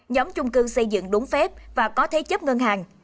nhóm chung cư xây dựng đúng phép và có thế chấp ngân hàng